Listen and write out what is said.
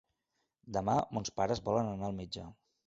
Demà mons pares volen anar al metge.